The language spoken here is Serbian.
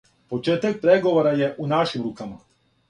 Почетак преговора је у нашим рукама...